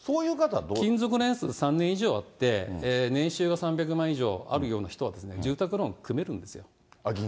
勤続年数３年以上あって、年収が３００万以上あるような人は、住宅ローン組めるんですよ。